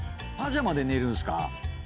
パジャマで寝るんすか？